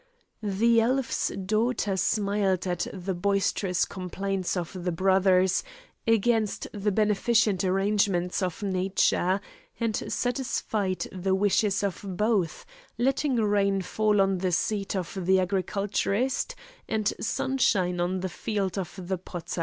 The elf's daughter smiled at the boisterous complaints of the brothers against the beneficent arrangements of nature, and satisfied the wishes of both, letting rain fall on the seed of the agriculturist, and sunshine on the field of the potter.